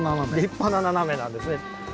立派なナナメなんですね。